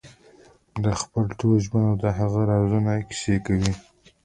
د خپل ټول ژوند او د هغه رازونو کیسې کوي.